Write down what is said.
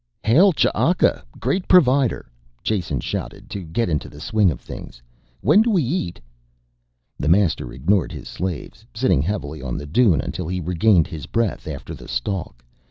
"Hail, Ch'aka, great provider," Jason shouted to get into the swing of things. "When do we eat?" The master ignored his slaves, sitting heavily on the dune until he regained his breath after the stalk.